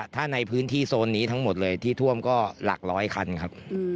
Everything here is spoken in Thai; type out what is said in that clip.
ถ้าในพื้นที่โซนนี้ทั้งหมดเลยที่ท่วมก็หลักร้อยคันครับ